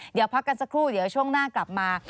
เดี๋ยวพักกันสักครู่เดี๋ยวช่วงหน้ากลับมา